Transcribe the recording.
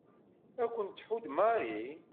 Ad kent-tḥudd Mary.